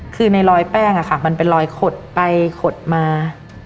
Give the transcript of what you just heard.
คือในรอยแป้งมันเป็นรอยขดไปขดมา